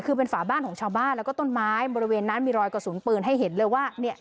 คือเป็นฝาบ้านของชาวบ้านแล้วก็ต้นไม้บริเวณนั้นมีรอยกระสุนปืนให้เห็นเลยว่าเนี่ย